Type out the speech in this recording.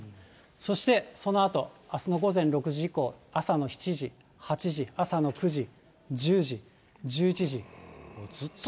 そしてそのあと、あすの午前６時以降、朝の７時、８時、朝の９時、１０時、１１時。